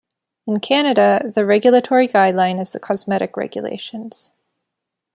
In Canada, the regulatory guideline is the Cosmetic Regulations.